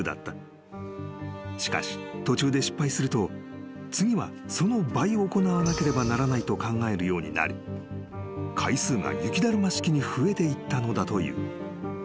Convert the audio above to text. ［しかし途中で失敗すると次はその倍行わなければならないと考えるようになり回数が雪だるま式に増えていったのだという］